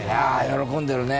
喜んでるね。